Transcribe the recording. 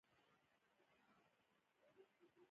افغانستان کې د پابندي غرونو د پرمختګ هڅې روانې دي.